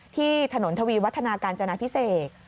ที่ถนนทวีวัฒนาการจนาพิเศษ